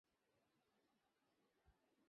তাই, যা খুশি জিজ্ঞাস করার করো।